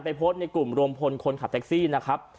โพสต์ในกลุ่มรวมพลคนขับแท็กซี่นะครับ